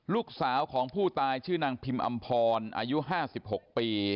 ลูกสาวของผู้ตายชื่อนางพิมอำพรอายุ๕๖ปี